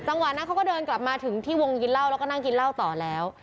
นั้นเขาก็เดินกลับมาถึงที่วงกินเหล้าแล้วก็นั่งกินเหล้าต่อแล้ว